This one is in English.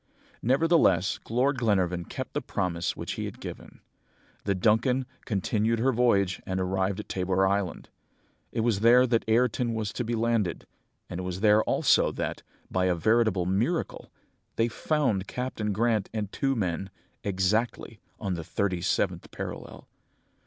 "Nevertheless, Lord Glenarvan kept the promise which he had given. The Duncan continued her voyage and arrived at Tabor Island. It was there that Ayrton was to be landed, and it was there also that, by a veritable miracle, they found Captain Grant and two men, exactly on the thirty seventh parallel.